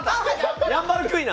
ヤンバルクイナ。